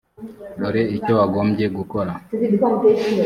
dore icyo wagombye gukora